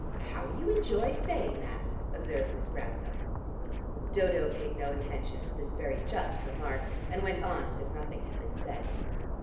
"How you enjoyed saying that!" observed Miss Grantham. Dodo paid no attention to this very just remark, and went on as if nothing had been said.